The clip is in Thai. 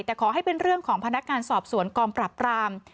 แต่ขอให้เป็นเรื่องของพนักงานสอบสวนกองปรับปราม